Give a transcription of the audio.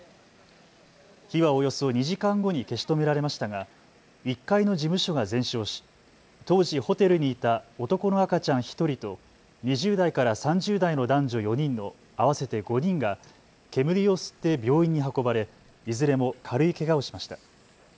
火はおよそ２時間後に消し止められましたが１階の事務所が全焼し当時ホテルにいた男の赤ちゃん１人と２０代から３０代の男女４人の合わせて５人が煙を吸って病院に運ばれいずれも軽いけがをしました。